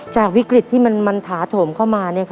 จากวิกฤตที่มันถาโถมเข้ามา